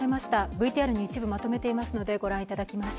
ＶＴＲに一部まとめていますので、ご覧いただきます。